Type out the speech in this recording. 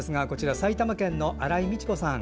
埼玉県の新井美知子さん。